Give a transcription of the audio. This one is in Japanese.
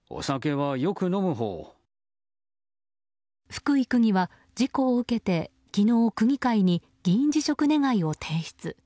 福井区議は事故を受けて昨日、区議会に議員辞職願を提出。